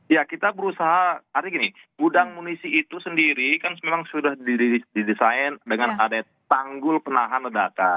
ya kita berusaha artinya gini gudang munisi itu sendiri kan memang sudah didesain dengan adanya tanggul penahan ledakan